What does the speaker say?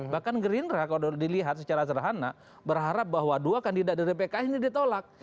bahkan gerindra kalau dilihat secara serhana berharap bahwa dua kandidat dari pks ini ditolak